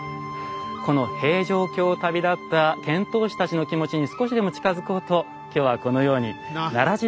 この平城京を旅立った遣唐使たちの気持ちに少しでも近づこうと今日はこのように奈良時代の貴族の格好になってみました。